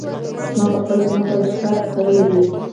ما په خپله ځمکه رشکه کرلي دي